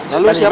lalu siapa pak